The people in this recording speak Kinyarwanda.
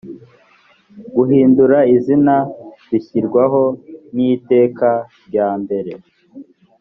guhindura izina bishyirwaho n iteka rya mbere